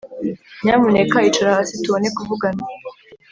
nyamuneka icara hasi tubone kuvugana.